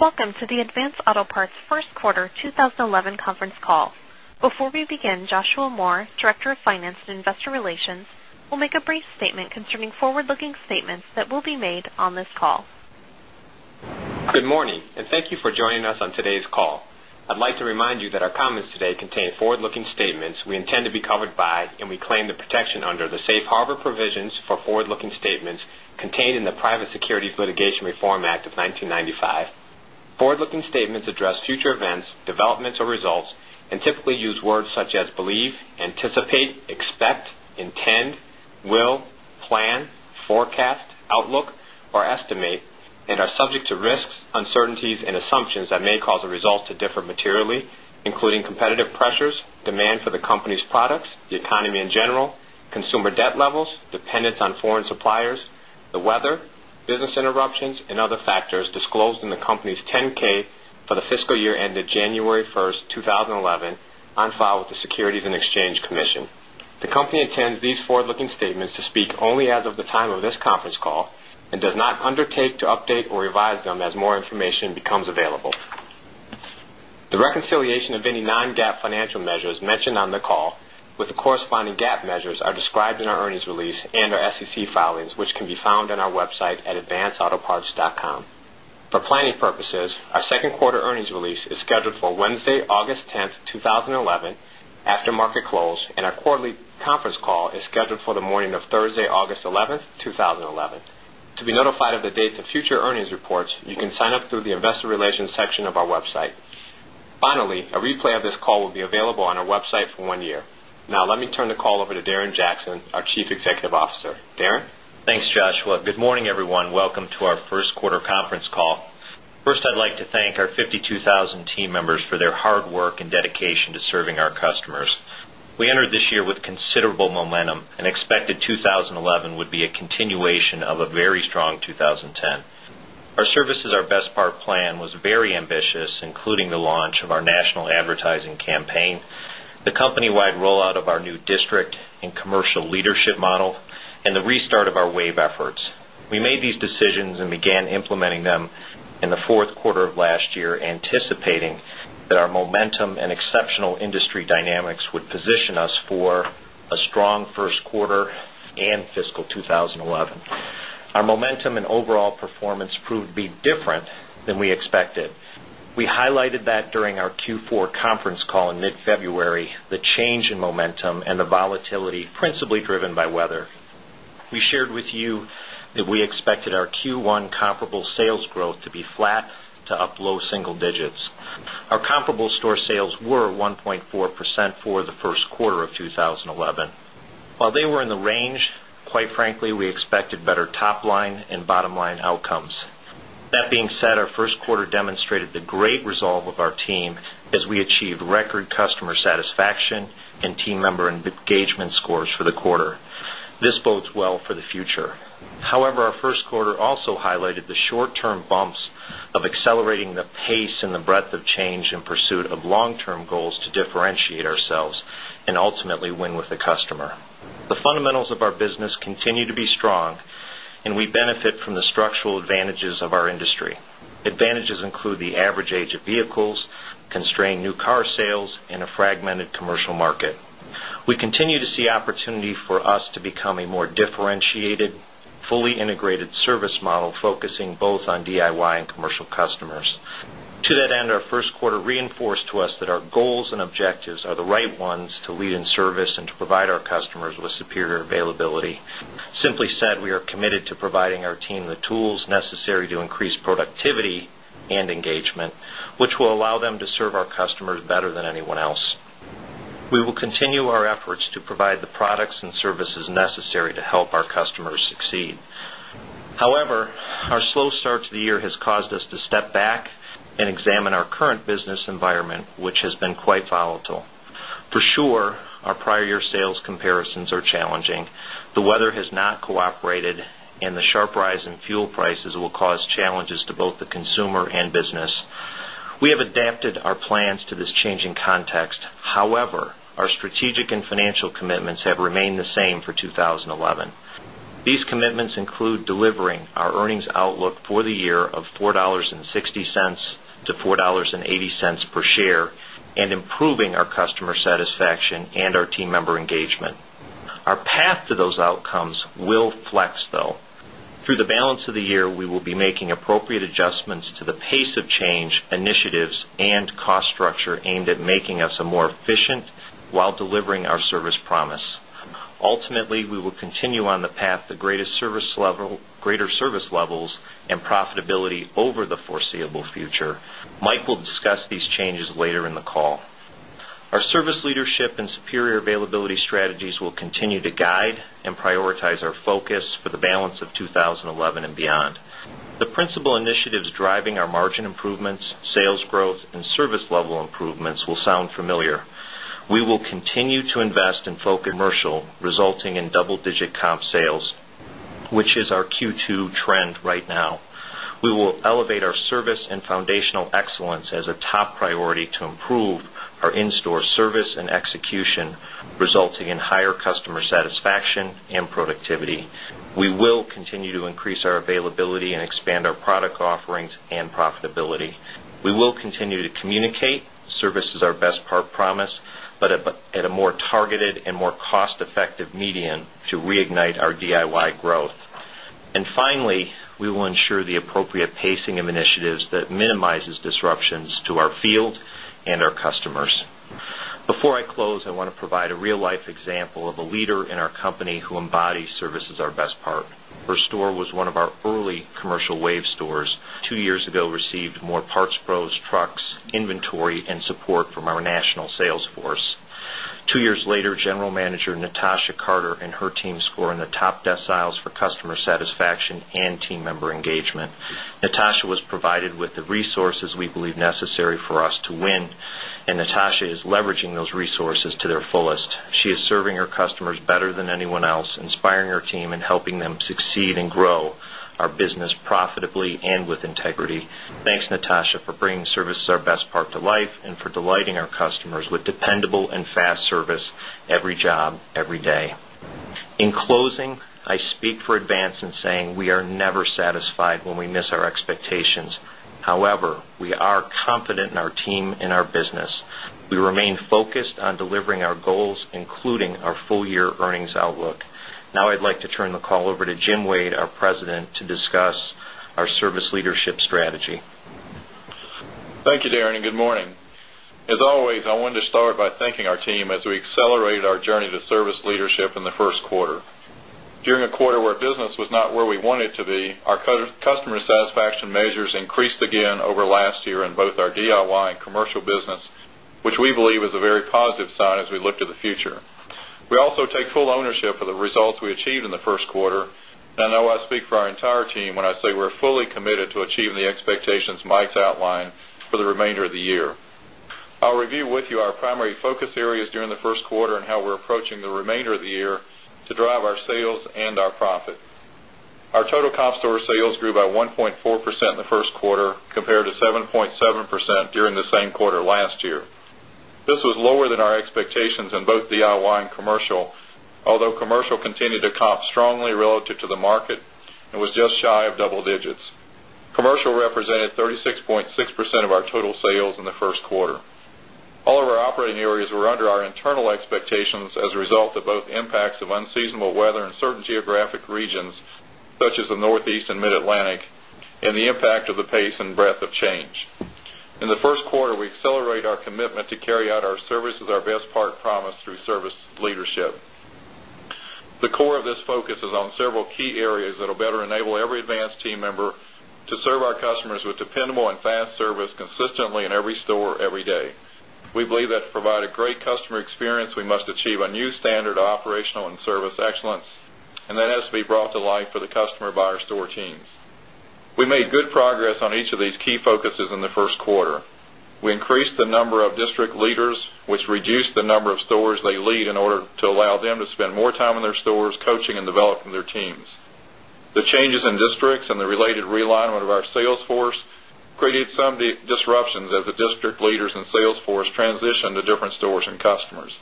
Welcome to the Advance Auto Parts First Quarter 2011 Conference Call. Before we begin, Joshua Moore, Director of Finance and Investor Relations, will make a brief statement concerning forward-looking statements that will be made on this call. Good morning, and thank you for joining us on today's call. I'd like to remind you that our comments today contain forward-looking statements we intend to be covered by, and we claim the protection under the safe harbor provisions for forward-looking statements contained in the Private Securities Litigation Reform Act of 1995. Forward-looking statements address future events, developments, or results, and typically use words such as believe, anticipate, expect, intend, will, plan, forecast, outlook, or estimate, and are subject to risks, uncertainties, and assumptions that may cause the results to differ materially, including competitive pressures, demand for the company's products, the economy in general, consumer debt levels, dependence on foreign suppliers, the weather, business interruptions, and other factors disclosed in the company's 10-K for the fiscal year ended January 1, 2011, on file with the Securities and Exchange Commission. The company intends these forward-looking statements to speak only as of the time of this conference call and does not undertake to update or revise them as more information becomes available. The reconciliation of any non-GAAP financial measures mentioned on the call with the corresponding GAAP measures are described in our earnings release and our SEC filings, which can be found on our website at advanceautoparts.com. For planning purposes, our second quarter earnings release is scheduled for Wednesday, August 10th, 2011, after market close, and our quarterly conference call is scheduled for the morning of Thursday, August 11th, 2011. To be notified of the dates of future earnings reports, you can sign up through the Investor Relations section of our website. Finally, a replay of this call will be available on our website for one year. Now, let me turn the call over to Darren Jackson, our Chief Executive Officer. Darren. Thanks, Joshua. Good morning, everyone. Welcome to our first quarter conference call. First, I'd like to thank our 52,000 team members for their hard work and dedication to serving our customers. We entered this year with considerable momentum and expected 2011 would be a continuation of a very strong 2010. Our Service is Our Best Part plan was very ambitious, including the launch of our national advertising campaign, the company-wide rollout of our new district and commercial leadership model, and the restart of our wave efforts. We made these decisions and began implementing them in the fourth quarter of last year, anticipating that our momentum and exceptional industry dynamics would position us for a strong first quarter and fiscal 2011. Our momentum and overall performance proved to be different than we expected. We highlighted that during our Q4 conference call in mid-February, the change in momentum and the volatility principally driven by weather. We shared with you that we expected our Q1 comparable store sales growth to be flat to up low single digits. Our comparable store sales were 1.4% for the first quarter of 2011. While they were in the range, quite frankly, we expected better top-line and bottom-line outcomes. That being said, our first quarter demonstrated the great resolve of our team as we achieved record customer satisfaction and team member engagement scores for the quarter. This bodes well for the future. However, our first quarter also highlighted the short-term bumps of accelerating the pace and the breadth of change in pursuit of long-term goals to differentiate ourselves and ultimately win with the customer. The fundamentals of our business continue to be strong, and we benefit from the structural advantages of our industry. Advantages include the average age of vehicles, constrained new car sales, and a fragmented commercial market. We continue to see opportunity for us to become a more differentiated, fully integrated service model focusing both on DIY and Commercial customers. To that end, our first quarter reinforced to us that our goals and objectives are the right ones to lead in service and to provide our customers with superior availability. Simply said, we are committed to providing our team the tools necessary to increase productivity and engagement, which will allow them to serve our customers better than anyone else. We will continue our efforts to provide the products and services necessary to help our customers succeed. However, our slow start to the year has caused us to step back and examine our current business environment, which has been quite volatile. For sure, our prior year sales comparisons are challenging. The weather has not cooperated, and the sharp rise in fuel prices will cause challenges to both the consumer and business. We have adapted our plans to this changing context. However, our strategic and financial commitments have remained the same for 2011. These commitments include delivering our earnings outlook for the year of $4.60-$4.80 per share and improving our customer satisfaction and our team member engagement. Our path to those outcomes will flex, though. Through the balance of the year, we will be making appropriate adjustments to the pace of change, initiatives, and cost structure aimed at making us more efficient while delivering our service promise. Ultimately, we will continue on the path to greater service levels and profitability over the foreseeable future. Mike will discuss these changes later in the call. Our service leadership and superior availability strategies will continue to guide and prioritize our focus for the balance of 2011 and beyond. The principal initiatives driving our margin improvements, sales growth, and service level improvements will sound familiar. We will continue to invest in focused commercial, resulting in double-digit comp sales, which is our Q2 trend right now. We will elevate our service and foundational excellence as a top priority to improve our in-store service and execution, resulting in higher customer satisfaction and productivity. We will continue to increase our availability and expand our product offerings and profitability. We will continue to communicate the Service is our Best Part promise, but at a more targeted and more cost-effective medium to reignite our DIY growth. Finally, we will ensure the appropriate pacing of initiatives that minimizes disruptions to our field and our customers. Before I close, I want to provide a real-life example of a leader in our company who embodies Servic is Our Best Part. Her store was one of our early commercial wave stores. Two years ago, it received more parts pros, trucks, inventory, and support from our national sales force. Two years later, General Manager Natasha Carter and her team score in the top deciles for customer satisfaction and team member engagement. Natasha was provided with the resources we believe necessary for us to win, and Natasha is leveraging those resources to their fullest. She is serving her customers better than anyone else, inspiring her team, and helping them succeed and grow our business profitably and with integrity. Thanks, Natasha, for bringing Service is our Best Part to life and for delighting our customers with dependable and fast service every job, every day. In closing, I speak for Advance in saying we are never satisfied when we miss our expectations. However, we are confident in our team and our business. We remain focused on delivering our goals, including our full-year earnings outlook. Now, I'd like to turn the call over to Jim Wade, our President, to discuss our service leadership strategy. Thank you, Darren, and good morning. As always, I want to start by thanking our team as we accelerated our journey to service leadership in the first quarter. During a quarter where business was not where we wanted it to be, our customer satisfaction measures increased again over last year in both our DIY and Commercial business, which we believe is a very positive sign as we look to the future. We also take full ownership of the results we achieved in the first quarter, and I know I speak for our entire team when I say we're fully committed to achieving the expectations Mike's outlined for the remainder of the year. I'll review with you our primary focus areas during the first quarter and how we're approaching the remainder of the year to drive our sales and our profit. Our total comparable store sales grew by 1.4% in the first quarter compared to 7.7% during the same quarter last year. This was lower than our expectations in both DIY and Commercial, although Commercial continued to comp strongly relative to the market and was just shy of double digits. Commercial represented 36.6% of our total sales in the first quarter. All of our operating areas were under our internal expectations as a result of both the impacts of unseasonable weather and certain geographic regions, such as the Northeast and Mid-Atlantic, and the impact of the pace and breadth of change. In the first quarter, we accelerated our commitment to carry out our services are best part promise through service leadership. The core of this focus is on several key areas that will better enable every Advance team member to serve our customers with dependable and fast service consistently in every store every day. We believe that to provide a great customer experience, we must achieve a new standard of operational and service excellence, and that has to be brought to life for the customer by our store teams. We made good progress on each of these key focuses in the first quarter. We increased the number of district leaders, which reduced the number of stores they lead in order to allow them to spend more time in their stores coaching and developing their teams. The changes in districts and the related realignment of our sales force created some disruptions as the district leaders and sales force transitioned to different stores and customers.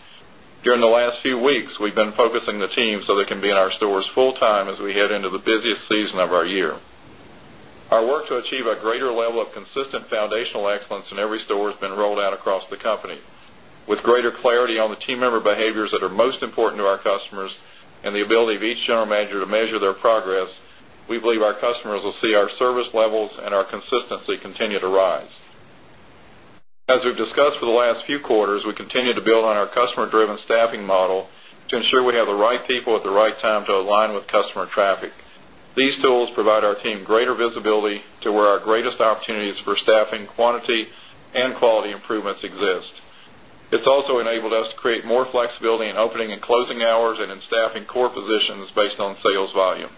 During the last few weeks, we've been focusing the teams so they can be in our stores full-time as we head into the busiest season of our year. Our work to achieve a greater level of consistent foundational excellence in every store has been rolled out across the company. With greater clarity on the team member behaviors that are most important to our customers and the ability of each General Manager to measure their progress, we believe our customers will see our service levels and our consistency continue to rise. As we've discussed for the last few quarters, we continue to build on our customer-driven staffing model to ensure we have the right people at the right time to align with customer traffic. These tools provide our team greater visibility to where our greatest opportunities for staffing, quantity, and quality improvements exist. It's also enabled us to create more flexibility in opening and closing hours and in staffing core positions based on sales volume.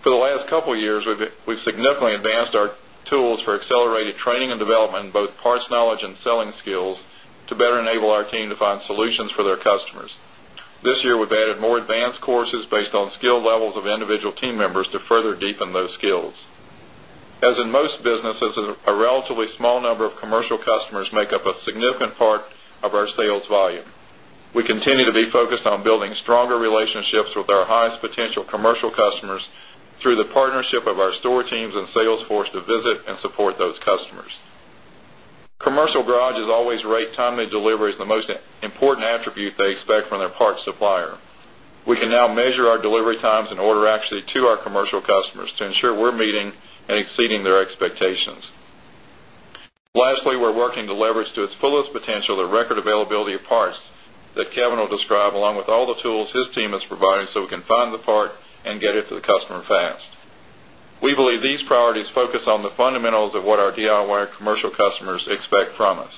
For the last couple of years, we've significantly advanced our tools for accelerated training and development in both parts knowledge and selling skills to better enable our team to find solutions for their customers. This year, we've added more advanced courses based on skill levels of individual team members to further deepen those skills. As in most businesses, a relatively small number of commercial customers make up a significant part of our sales volume. We continue to be focused on building stronger relationships with our highest potential commercial customers through the partnership of our store teams and sales force to visit and support those customers. Commercial garage is always right. Timely delivery is the most important attribute they expect from their parts supplier. We can now measure our delivery times and order accuracy to our commercial customers to ensure we're meeting and exceeding their expectations. Lastly, we're working to leverage to its fullest potential the record availability of parts that Kevin will describe along with all the tools his team is providing so we can find the part and get it to the customer fast. We believe these priorities focus on the fundamentals of what our DIY and Commercial customers expect from us.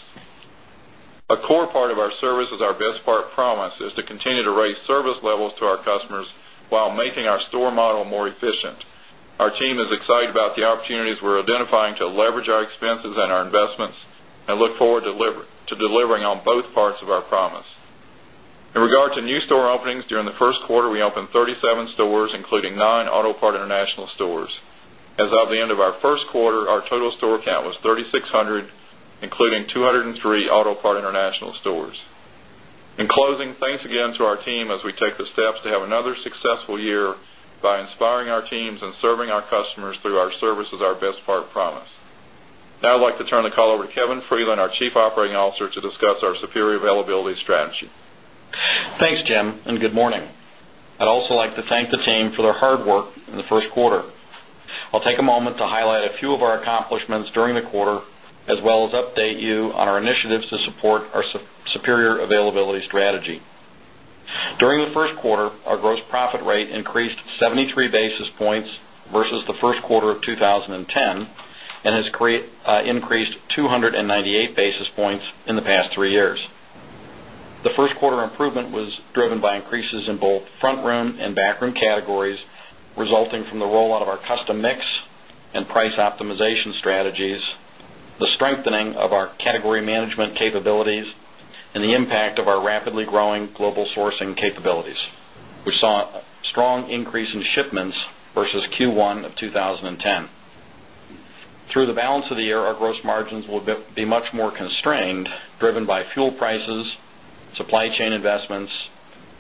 A core part of our Service is Our Best Part promise is to continue to raise service levels to our customers while making our store model more efficient. Our team is excited about the opportunities we're identifying to leverage our expenses and our investments and look forward to delivering on both parts of our promise. In regard to new store openings, during the first quarter, we opened 37 stores, including nine Auto Part International stores. As of the end of our first quarter, our total store count was 3,600, including 203 Auto Part International stores. In closing, thanks again to our team as we take the steps to have another successful year by inspiring our teams and serving our customers through our Service is our Best Part promise. Now, I'd like to turn the call over to Kevin Freeland, our Chief Operating Officer, to discuss our superior availability strategy. Thanks, Jim, and good morning. I'd also like to thank the team for their hard work in the first quarter. I'll take a moment to highlight a few of our accomplishments during the quarter, as well as update you on our initiatives to support our superior availability strategy. During the first quarter, our gross profit rate increased 73 basis points versus the first quarter of 2010 and has increased 298 basis points in the past three years. The first quarter improvement was driven by increases in both front room and back room categories, resulting from the rollout of our custom mix and price optimization strategies, the strengthening of our category management capabilities, and the impact of our rapidly growing global sourcing capabilities, which saw a strong increase in shipments versus Q1 of 2010. Through the balance of the year, our gross margins will be much more constrained, driven by fuel prices, supply chain investments,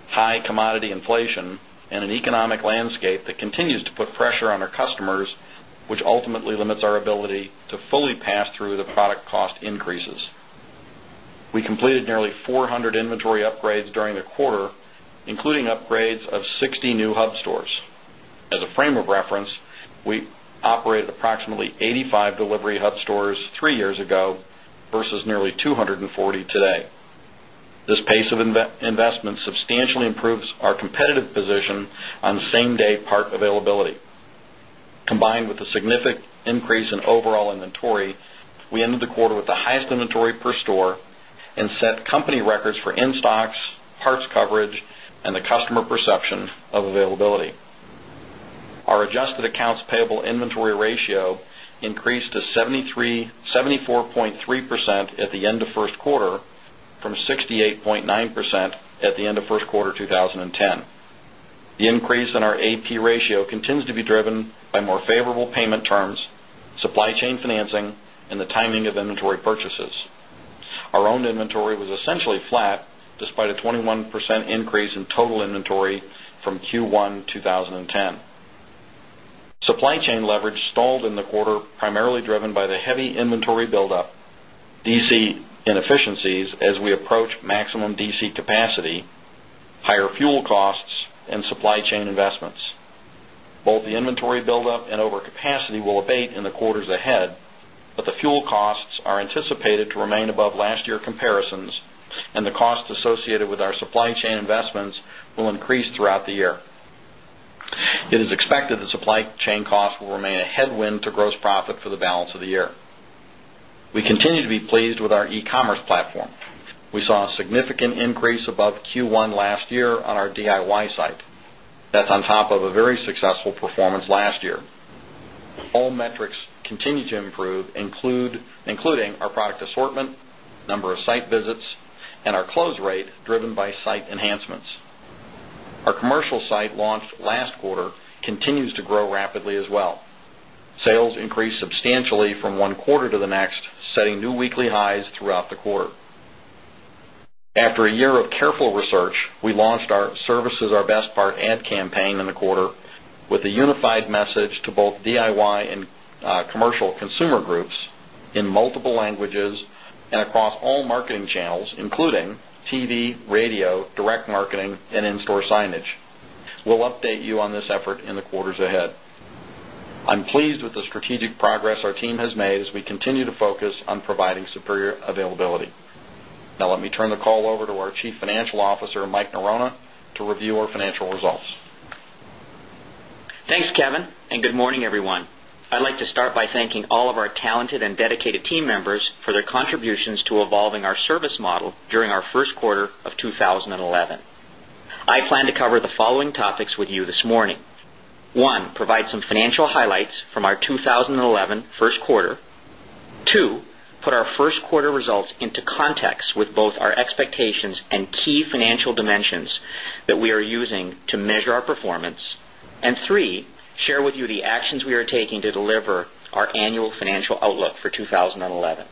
high commodity inflation, and an economic landscape that continues to put pressure on our customers, which ultimately limits our ability to fully pass through the product cost increases. We completed nearly 400 inventory upgrades during the quarter, including upgrades of 60 new hub stores. As a frame of reference, we operated approximately 85 delivery hub stores three years ago versus nearly 240 today. This pace of investment substantially improves our competitive position on same-day part availability. Combined with a significant increase in overall inventory, we ended the quarter with the highest inventory per store and set company records for in-stocks, parts coverage, and the customer perception of availability. Our adjusted accounts payable inventory ratio increased to 74.3% at the end of the first quarter from 68.9% at the end of the first quarter of 2010. The increase in our AP ratio continues to be driven by more favorable payment terms, supply chain financing, and the timing of inventory purchases. Our own inventory was essentially flat, despite a 21% increase in total inventory from Q1 2010. Supply chain leverage stalled in the quarter, primarily driven by the heavy inventory buildup, DC inefficiencies as we approach maximum DC capacity, higher fuel costs, and supply chain investments. Both the inventory buildup and overcapacity will abate in the quarters ahead, but the fuel costs are anticipated to remain above last year comparisons, and the costs associated with our supply chain investments will increase throughout the year. It is expected that supply chain costs will remain a headwind to gross profit for the balance of the year. We continue to be pleased with our e-commerce platform. We saw a significant increase above Q1 last year on our DIY site. That's on top of a very successful performance last year. All metrics continue to improve, including our product assortment, number of site visits, and our close rate driven by site enhancements. Our Commercial site launched last quarter continues to grow rapidly as well. Sales increased substantially from one quarter to the next, setting new weekly highs throughout the quarter. After a year of careful research, we launched our Service is our Best Part ad campaign in the quarter with a unified message to both DIY and Commercial consumer groups in multiple languages and across all marketing channels, including TV, radio, direct marketing, and in-store signage. We'll update you on this effort in the quarters ahead. I'm pleased with the strategic progress our team has made as we continue to focus on providing superior availability. Now, let me turn the call over to our Chief Financial Officer, Mike Norona, to review our financial results. Thanks, Kevin, and good morning, everyone. I'd like to start by thanking all of our talented and dedicated team members for their contributions to evolving our service model during our first quarter of 2011. I plan to cover the following topics with you this morning. One, provide some financial highlights from our 2011 first quarter. Two, put our first quarter results into context with both our expectations and key financial dimensions that we are using to measure our performance. Three, share with you the actions we are taking to deliver our annual financial outlook for 2011.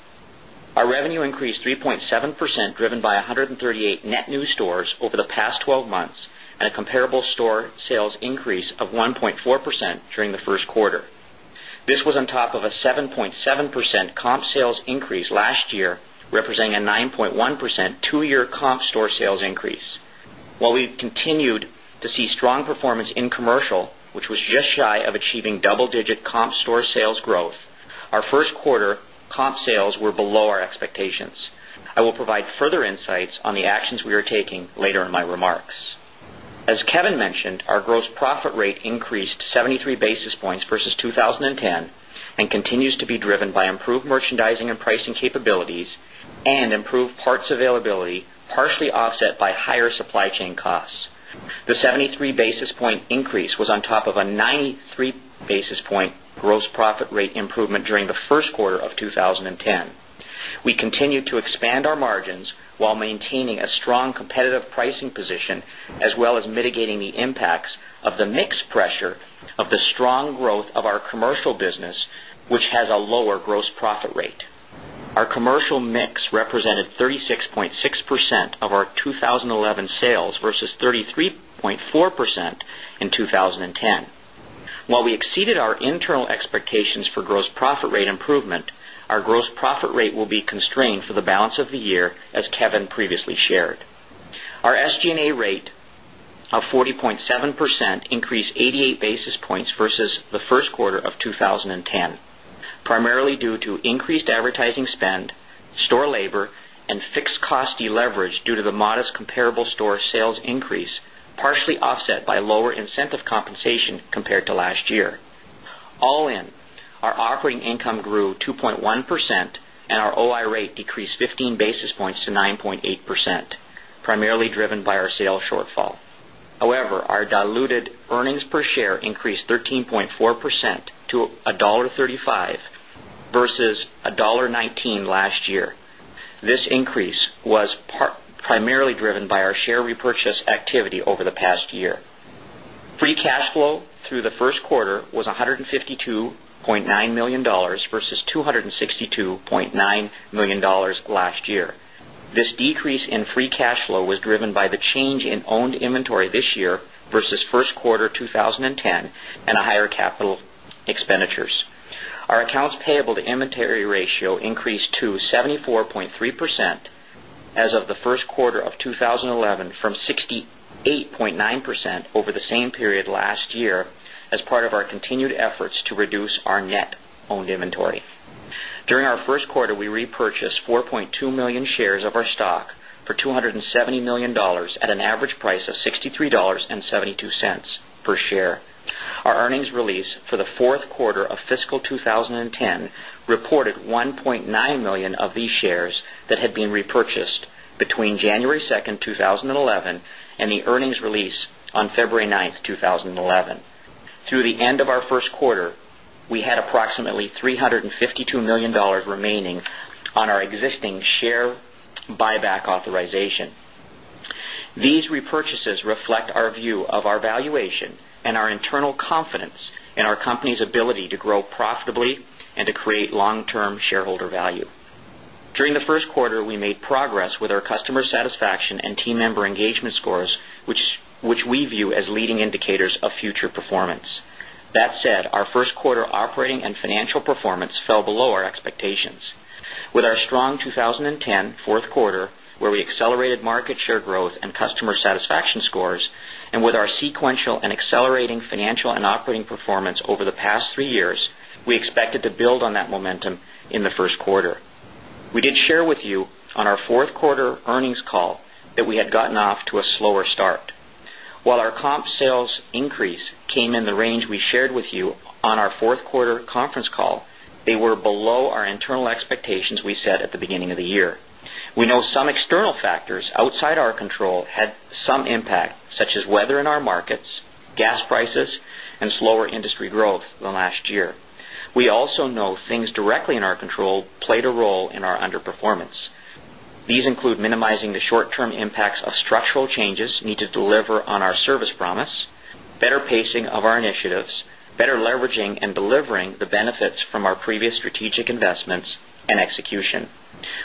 Our revenue increased 3.7%, driven by 138 net new stores over the past 12 months, and a comparable store sales increase of 1.4% during the first quarter. This was on top of a 7.7% comp sales increase last year, representing a 9.1% two-year comp store sales increase. While we continued to see strong performance in commercial, which was just shy of achieving double-digit comp store sales growth, our first quarter comp sales were below our expectations. I will provide further insights on the actions we are taking later in my remarks. As Kevin mentioned, our gross profit rate increased 73 basis points versus 2010 and continues to be driven by improved merchandising and pricing capabilities and improved parts availability, partially offset by higher supply chain costs. The 73 basis point increase was on top of a 93 basis point gross profit rate improvement during the first quarter of 2010. We continued to expand our margins while maintaining a strong competitive pricing position, as well as mitigating the impacts of the mix pressure of the strong growth of our Commercial business, which has a lower gross profit rate. Our commercial mix represented 36.6% of our 2011 sales versus 33.4% in 2010. While we exceeded our internal expectations for gross profit rate improvement, our gross profit rate will be constrained for the balance of the year, as Kevin previously shared. Our SG&A rate of 40.7% increased 88 basis points versus the first quarter of 2010, primarily due to increased advertising spend, store labor, and fixed cost leverage due to the modest comparable store sales increase, partially offset by lower incentive compensation compared to last year. All in, our operating income grew 2.1% and our OI rate decreased 15 basis points to 9.8%, primarily driven by our sales shortfall. However, our diluted EPS increased 13.4% to $1.35 versus $1.19 last year. This increase was primarily driven by our share repurchase activity over the past year. Free cash flow through the first quarter was $152.9 million versus $262.9 million last year. This decrease in free cash flow was driven by the change in owned inventory this year versus first quarter 2010 and higher capital expenditures. Our accounts payable to inventory ratio increased to 74.3% as of the first quarter of 2011 from 68.9% over the same period last year as part of our continued efforts to reduce our net owned inventory. During our first quarter, we repurchased 4.2 million shares of our stock for $270 million at an average price of $63.72 per share. Our earnings release for the fourth quarter of fiscal 2010 reported 1.9 million of these shares that had been repurchased between January 2nd, 2011, and the earnings release on February 9th, 2011. Through the end of our first quarter, we had approximately $352 million remaining on our existing share buyback authorization. These repurchases reflect our view of our valuation and our internal confidence in our company's ability to grow profitably and to create long-term shareholder value. During the first quarter, we made progress with our customer satisfaction and team member engagement scores, which we view as leading indicators of future performance. That said, our first quarter operating and financial performance fell below our expectations. With our strong 2010 fourth quarter, where we accelerated market share growth and customer satisfaction scores, and with our sequential and accelerating financial and operating performance over the past three years, we expected to build on that momentum in the first quarter. We did share with you on our fourth quarter earnings call that we had gotten off to a slower start. While our comp sales increase came in the range we shared with you on our fourth quarter conference call, they were below our internal expectations we set at the beginning of the year. We know some external factors outside our control had some impact, such as weather in our markets, gas prices, and slower industry growth than last year. We also know things directly in our control played a role in our underperformance. These include minimizing the short-term impacts of structural changes needed to deliver on our service promise, better pacing of our initiatives, better leveraging and delivering the benefits from our previous strategic investments and execution.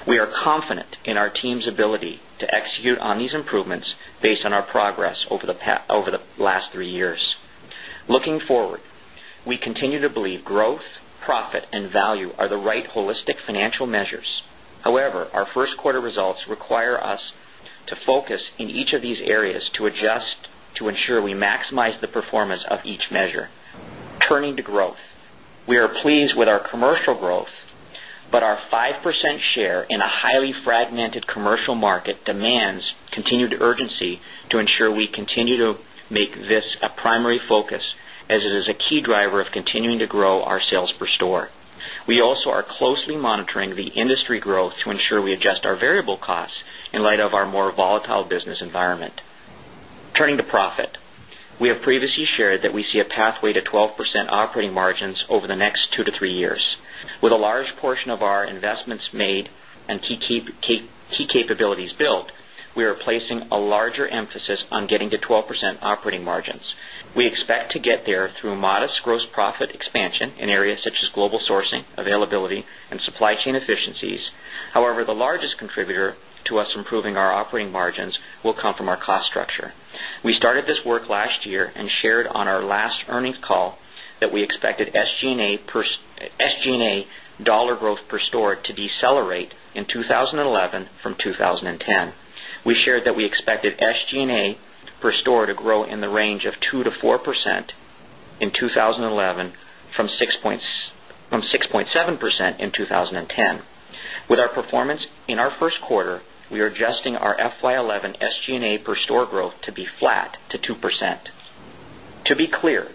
We are confident in our team's ability to execute on these improvements based on our progress over the last three years. Looking forward, we continue to believe growth, profit, and value are the right holistic financial measures. However, our first quarter results require us to focus in each of these areas to adjust to ensure we maximize the performance of each measure. Turning to growth, we are pleased with our commercial growth, but our 5% share in a highly fragmented commercial market demands continued urgency to ensure we continue to make this a primary focus as it is a key driver of continuing to grow our sales per store. We also are closely monitoring the industry growth to ensure we adjust our variable costs in light of our more volatile business environment. Turning to profit, we have previously shared that we see a pathway to 12% operating margins over the next two to three years. With a large portion of our investments made and key capabilities built, we are placing a larger emphasis on getting to 12% operating margins. We expect to get there through modest gross profit expansion in areas such as global sourcing, availability, and supply chain efficiencies. However, the largest contributor to us improving our operating margins will come from our cost structure. We started this work last year and shared on our last earnings call that we expected SG&A dollar growth per store to decelerate in 2011 from 2010. We shared that we expected SG&A per store to grow in the range of 2%-4% in 2011 from 6.7% in 2010. With our performance in our first quarter, we are adjusting our FY 2011 SG&A per store growth to be flat to 2%. To be clear,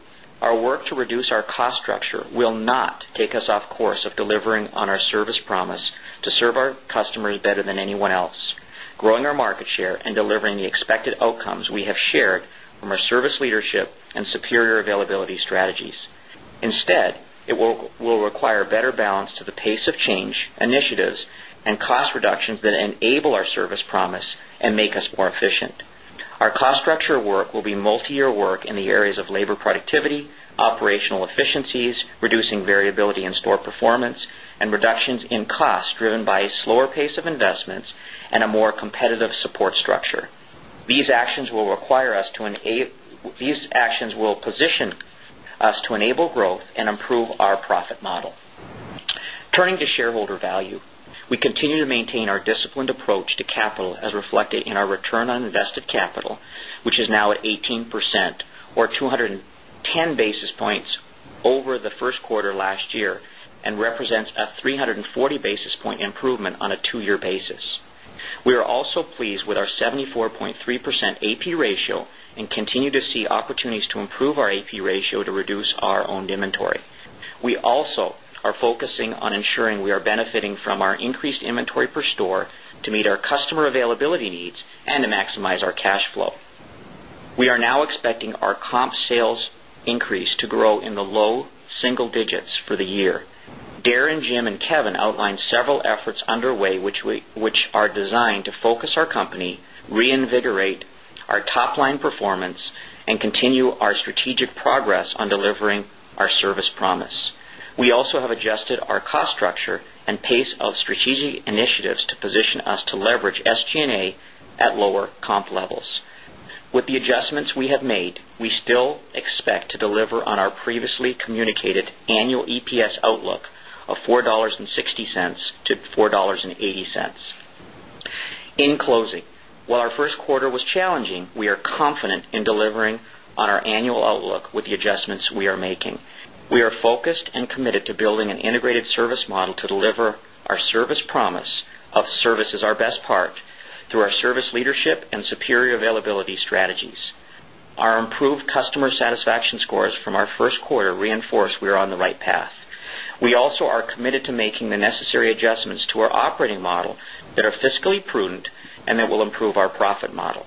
our work to reduce our cost structure will not take us off course of delivering on our service promise to serve our customers better than anyone else, growing our market share, and delivering the expected outcomes we have shared from our service leadership and superior availability strategies. Instead, it will require better balance to the pace of change, initiatives, and cost reductions that enable our service promise and make us more efficient. Our cost structure work will be multi-year work in the areas of labor productivity, operational efficiencies, reducing variability in store performance, and reductions in costs driven by a slower pace of investments and a more competitive support structure. These actions will require us to enable growth and improve our profit model. Turning to shareholder value, we continue to maintain our disciplined approach to capital as reflected in our return on invested capital, which is now at 18% or 210 basis points over the first quarter last year and represents a 340 basis point improvement on a two-year basis. We are also pleased with our 74.3% AP ratio and continue to see opportunities to improve our AP ratio to reduce our owned inventory. We also are focusing on ensuring we are benefiting from our increased inventory per store to meet our customer availability needs and to maximize our cash flow. We are now expecting our comp sales increase to grow in the low single digits for the year. Darren, Jim, and Kevin outlined several efforts underway, which are designed to focus our company, reinvigorate our top-line performance, and continue our strategic progress on delivering our service promise. We also have adjusted our cost structure and pace of strategic initiatives to position us to leverage SG&A at lower comp levels. With the adjustments we have made, we still expect to deliver on our previously communicated annual EPS outlook of $4.60-$4.80. In closing, while our first quarter was challenging, we are confident in delivering on our annual outlook with the adjustments we are making. We are focused and committed to building an integrated service model to deliver our service promise of Service is Best Part through our service leadership and superior availability strategies. Our improved customer satisfaction scores from our first quarter reinforce we are on the right path. We also are committed to making the necessary adjustments to our operating model that are fiscally prudent and that will improve our profit model.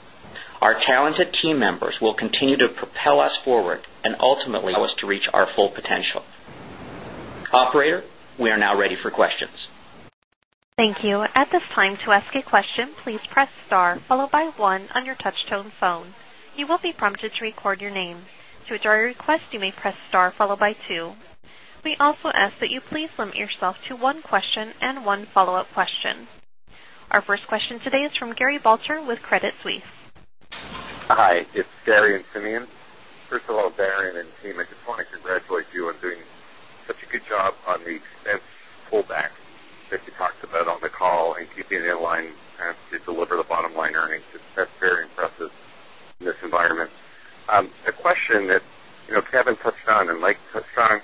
Our talented team members will continue to propel us forward and ultimately help us to reach our full potential. Operator, we are now ready for questions. Thank you. At this time, to ask a question, please press star, followed by one on your touch-tone phone. You will be prompted to record your name. To withdraw your request, you may press star, followed by two. We also ask that you please limit yourself to one question and one follow-up question. Our first question today is from Gary Balter with Credit Suisse. Hi, it's Gary. First of all, Darren and team, I just want to congratulate you on doing such a good job on the expense pullback that you talked about on the call and keeping in line to deliver the bottom line earnings. It's very impressive in this environment. A question that, you know, Kevin touched on and Mike touched on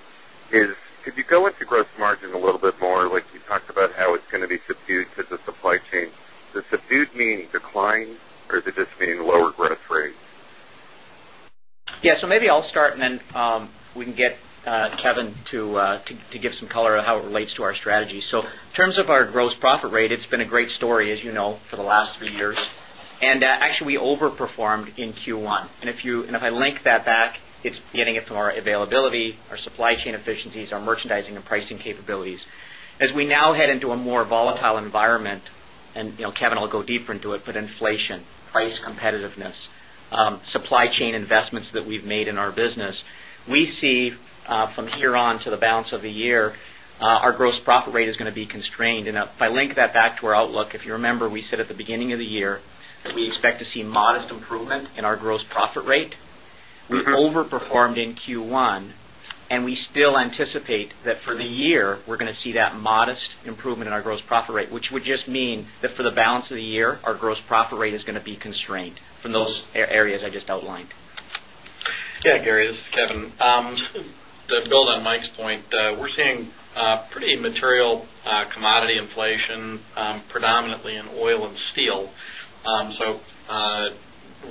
is, could you go into gross margin a little bit more? Like you talked about how it's going to be subdued to the supply chain. Does subdued mean decline or does it just mean lower growth rate? Yeah, maybe I'll start and then we can get Kevin to give some color to how it relates to our strategy. In terms of our gross profit rate, it's been a great story, as you know, for the last three years. Actually, we overperformed in Q1. If I link that back, it's getting it from our availability, our supply chain efficiencies, our merchandising and pricing capabilities. As we now head into a more volatile environment, Kevin will go deeper into it, but inflation, rate competitiveness, supply chain investments that we've made in our business, we see from here on to the balance of the year, our gross profit rate is going to be constrained. If I link that back to our outlook, if you remember, we said at the beginning of the year that we expect to see modest improvement in our gross profit rate. We overperformed in Q1, and we still anticipate that for the year, we're going to see that modest improvement in our gross profit rate, which would just mean that for the balance of the year, our gross profit rate is going to be constrained from those areas I just outlined. Yeah, Gary, this is Kevin. To build on Mike's point, we're seeing pretty material commodity inflation, predominantly in oil and steel.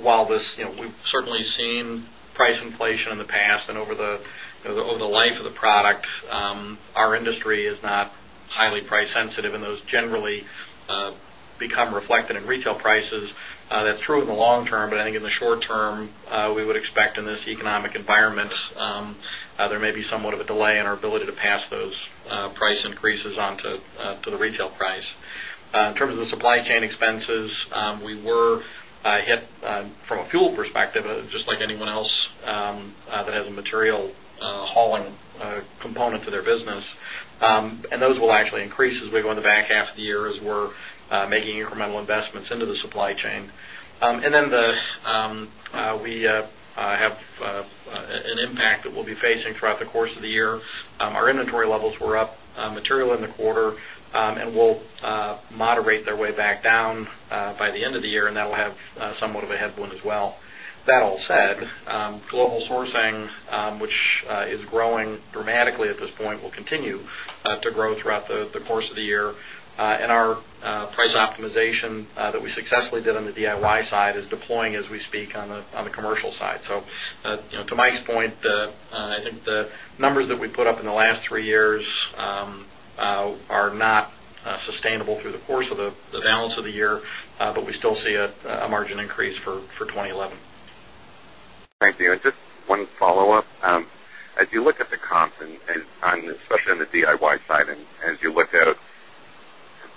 While this, you know, we've certainly seen price inflation in the past and over the life of the product, our industry is not highly price sensitive, and those generally become reflected in retail prices. That's true in the long term, but I think in the short term, we would expect in this economic environment, there may be somewhat of a delay in our ability to pass those price increases on to the retail price. In terms of the supply chain expenses, we were hit from a fuel perspective, just like anyone else that has a material hauling component to their business, and those will actually increase as we go into the back half of the year as we're making incremental investments into the supply chain. We have an impact that we'll be facing throughout the course of the year. Our inventory levels were up material in the quarter and will moderate their way back down by the end of the year, and that'll have somewhat of a headwind as well. That all said, global sourcing, which is growing dramatically at this point, will continue to grow throughout the course of the year, and our price optimization that we successfully did on the DIY side is deploying as we speak on the Commercial side. To Mike's point, I think the numbers that we put up in the last three years are not sustainable through the course of the balance of the year, but we still see a margin increase for 2011. Thank you. Just one follow-up. As you look at the comps, especially on the DIY side, as you look at it,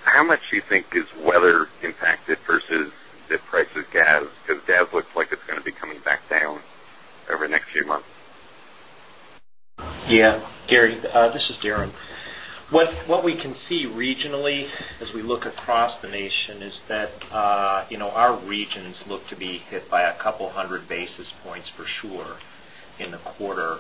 how much do you think is weather impacted versus the price of gas? Because gas looks like it's going to be coming back down over the next few months. Yeah, Gary, this is Darren. What we can see regionally as we look across the nation is that our regions look to be hit by a couple hundred basis points for sure in the quarter.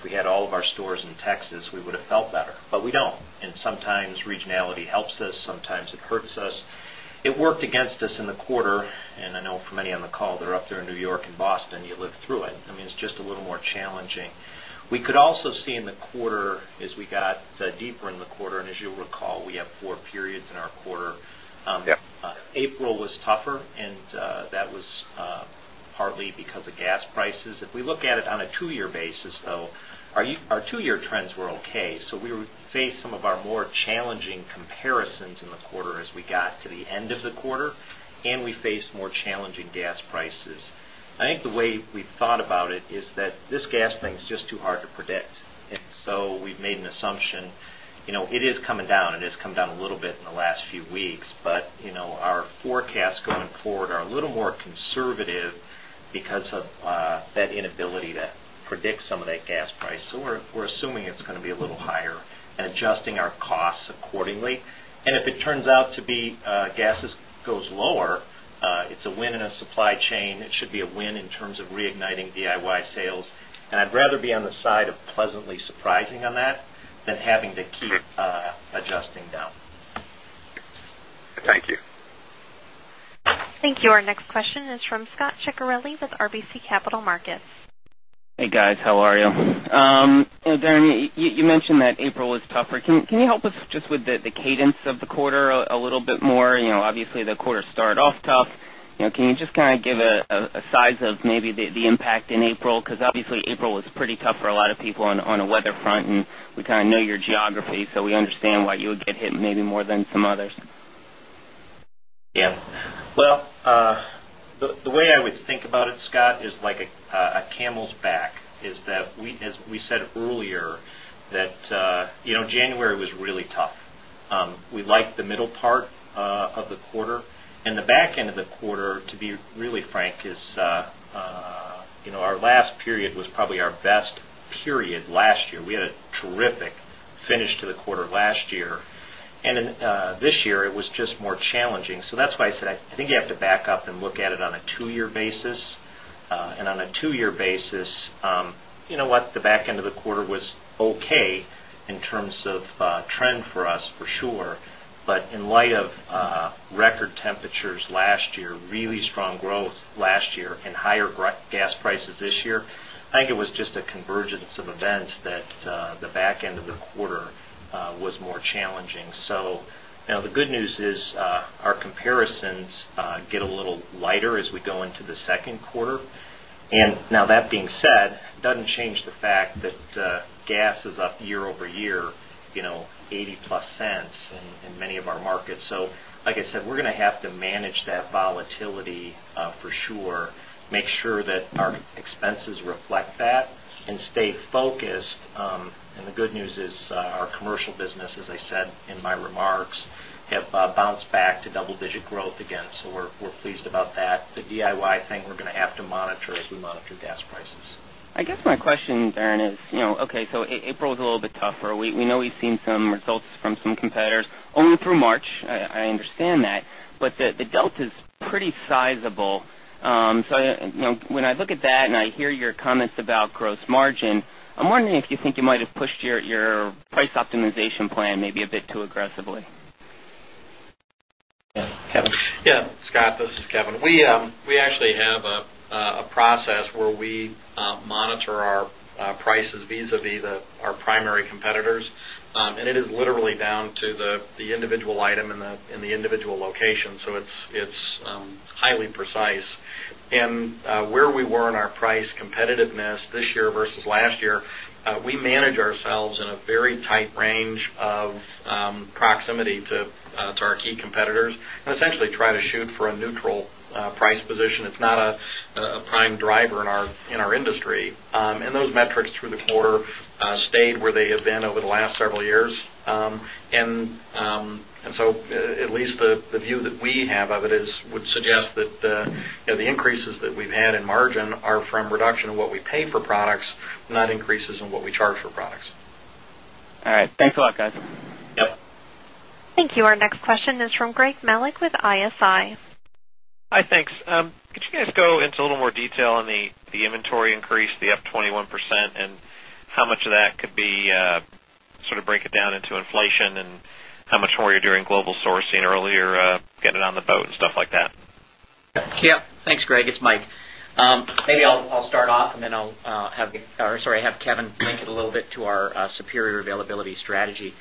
If we had all of our stores in Texas, we would have felt better, but we don't. Sometimes regionality helps us, sometimes it hurts us. It worked against us in the quarter, and I know for many on the call, they're up there in New York and Boston, you live through it. I mean, it's just a little more challenging. We could also see in the quarter as we got deeper in the quarter, and as you recall, we have four periods in our quarter. April was tougher, and that was partly because of gas prices. If we look at it on a two-year basis, though, our two-year trends were okay. We were faced with some of our more challenging comparisons in the quarter as we got to the end of the quarter, and we faced more challenging gas prices. I think the way we thought about it is that this gas thing is just too hard to predict. We've made an assumption, it is coming down. It has come down a little bit in the last few weeks, but our forecasts going forward are a little more conservative because of that inability to predict some of that gas price. We're assuming it's going to be a little higher and adjusting our costs accordingly. If it turns out to be gas goes lower, it's a win in a supply chain. It should be a win in terms of reigniting DIY sales. I'd rather be on the side of pleasantly surprising on that than having to keep adjusting down. Thank you. Thank you. Our next question is from Scot Ciccarelli with RBC Capital Markets. Hey, guys, how are you? Darren, you mentioned that April was tougher. Can you help us just with the cadence of the quarter a little bit more? Obviously, the quarter started off tough. Can you just kind of give a size of maybe the impact in April? Obviously, April was pretty tough for a lot of people on a weather front, and we kind of know your geography, so we understand why you would get hit maybe more than some others. Yeah. The way I would think about it, Scot, is like a camel's back, is that we, as we said earlier, you know, January was really tough. We liked the middle part of the quarter. The back end of the quarter, to be really frank, is, you know, our last period was probably our best period last year. We had a terrific finish to the quarter last year. This year, it was just more challenging. That's why I said I think you have to back up and look at it on a two-year basis. On a two-year basis, you know what? The back end of the quarter was okay in terms of trend for us for sure. In light of record temperatures last year, really strong growth last year, and higher gas prices this year, I think it was just a convergence of events that the back end of the quarter was more challenging. The good news is, our comparisons get a little lighter as we go into the second quarter. That being said, it doesn't change the fact that gas is up year-over-year, you know, $0.80+ in many of our markets. Like I said, we're going to have to manage that volatility for sure, make sure that our expenses reflect that and stay focused. The good news is, our Commercial business, as I said in my remarks, have bounced back to double-digit growth again. We're pleased about that. The DIY thing we're going to have to monitor as we monitor gas prices. I guess my question, Darren, is, you know, okay, so April is a little bit tougher. We know we've seen some results from some competitors only through March. I understand that. The delta is pretty sizable, so, you know, when I look at that and I hear your comments about gross margin, I'm wondering if you think you might have pushed your price optimization plan maybe a bit too aggressively. Yeah, Scot, this is Kevin. We actually have a process where we monitor our prices vis-à-vis our primary competitors. It is literally down to the individual item in the individual location, so it's highly precise. Where we were in our price competitiveness this year versus last year, we manage ourselves in a very tight range of proximity to our key competitors and essentially try to shoot for a neutral price position. It's not a prime driver in our industry. Those metrics through the quarter stayed where they have been over the last several years. At least the view that we have of it would suggest that the increases that we've had in margin are from reduction in what we pay for products, not increases in what we charge for products. All right. Thanks a lot, guys. Yep. Thank you. Our next question is from Greg Melich with Evercore ISI. Hi, thanks. Could you guys go into a little more detail on the inventory increase, the up 21%, and how much of that could be sort of break it down into inflation and how much more you're doing global sourcing or are you getting it on the boat and stuff like that? Yeah, thanks, Greg. It's Mike. Maybe I'll start off and then I'll have Kevin link it a little bit to our superior availability strategy.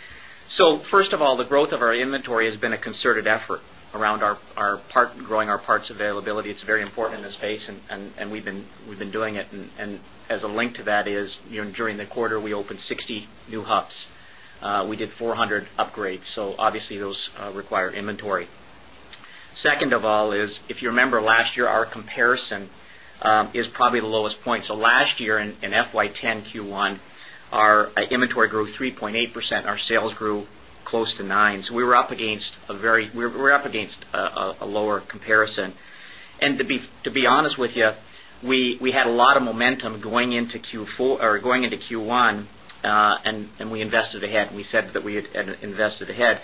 First of all, the growth of our inventory has been a concerted effort around our part growing our parts availability. It's very important in this space and we've been doing it. As a link to that, during the quarter, we opened 60 new hubs. We did 400 upgrades. Obviously, those require inventory. Second, if you remember last year, our comparison is probably the lowest point. Last year in FY 2010 Q1, our inventory grew 3.8%. Our sales grew close to 9%. We were up against a lower comparison. To be honest with you, we had a lot of momentum going into Q1 and we invested ahead. We said that we had invested ahead.